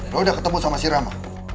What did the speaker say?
lo udah ketemu sama si rama